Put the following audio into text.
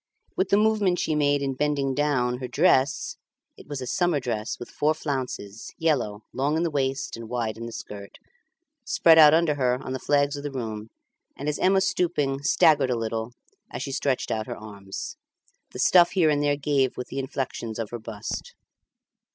With the movement she made in bending down, her dress (it was a summer dress with four flounces, yellow, long in the waist and wide in the skirt) spread out around her on the flags of the room; and as Emma stooping, staggered a little as she stretched out her arms. The stuff here and there gave with the inflections of her bust.